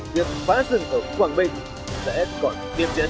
việc phá rừng ở quảng bình sẽ còn tiêm chấn